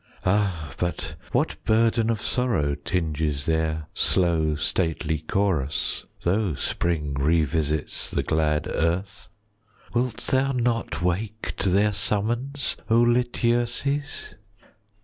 20 Ah, but what burden of sorrow Tinges their slow stately chorus, Though spring revisits the glad earth? Wilt thou not wake to their summons, O Lityerses?